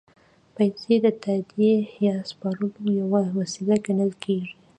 پیسې د تادیې یا سپارلو یوه وسیله ګڼل کېږي